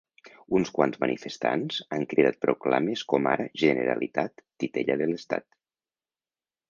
Uns quants manifestants han cridat proclames com ara “Generalitat, titella de l’estat”.